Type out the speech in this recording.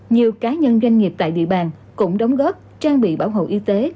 nhiều cá nhân doanh nghiệp tại địa bàn cũng đóng góp trang bị bảo hộ y tế